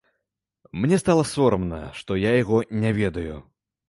Мне стала сорамна, што я яго не ведаю.